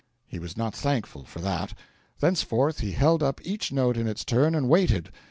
He was not unthankful for that. Thenceforward he held up each note in its turn and waited.